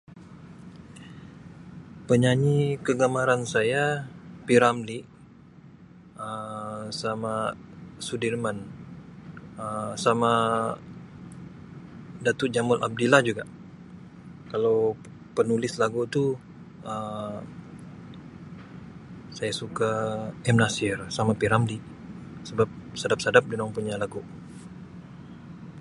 penyanyi kegemaran saya p. ramlee Um sama sudirman Um sama dato jamal abdillah juga kalau penulis lagu tu Um saya suka m. nasir sama p. ramlee sebab sadap sadap dorang punya lagu.